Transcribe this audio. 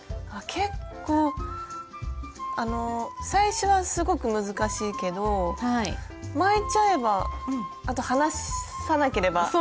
結構あの最初はすごく難しいけど巻いちゃえばあと離さなければ。